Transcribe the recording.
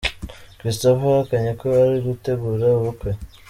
Christopher yahakanye ko ari gutegura ubukwe.